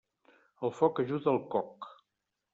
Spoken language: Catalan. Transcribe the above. El foc ajuda el coc.